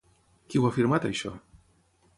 Qui ho ha afirmat això?